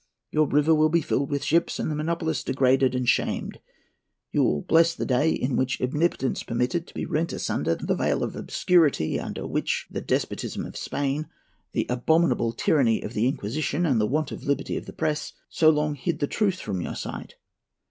Your river will be filled with ships, and the monopolist degraded and shamed. You will bless the day in which Omnipotence permitted to be rent asunder the veil of obscurity, under which the despotism of Spain, the abominable tyranny of the Inquisition, and the want of liberty of the press, so long hid the truth from your sight.